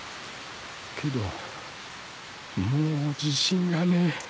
けどもう自信がねえ。